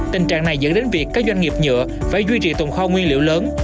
tình trạng này dẫn đến việc các doanh nghiệp nhựa phải duy trì tồn kho nguyên liệu lớn